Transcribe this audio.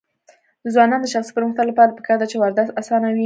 د ځوانانو د شخصي پرمختګ لپاره پکار ده چې واردات اسانوي.